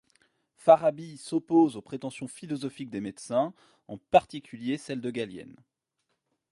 Farabi s'oppose aux prétentions philosophiques des médecins, en particulier celles de Galien.